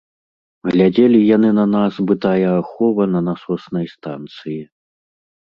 Глядзелі яны на нас бы тая ахова на насоснай станцыі.